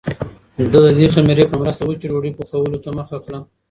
زه د دې خمیرې په مرسته وچې ډوډۍ پخولو ته مخه کړه.